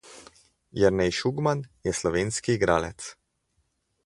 Jernej Šugman je slovenski igralec.